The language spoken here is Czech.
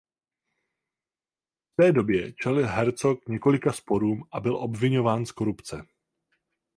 V té době čelil Herzog několika sporům a byl obviňován z korupce.